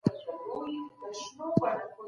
په کار کي له بېړې څخه ډډه وکړه.